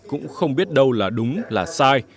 cũng không biết đâu là đúng là sai